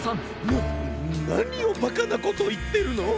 ななにをバカなこといってるの！